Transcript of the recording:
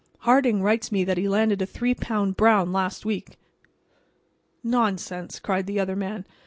Harding writes me that he landed a three pound brown last week." "Nonsense!" cried the other man.